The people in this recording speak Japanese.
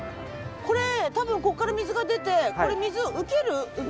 これ多分ここから水が出てこれ水を受ける器？